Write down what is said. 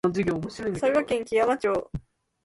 佐賀県基山町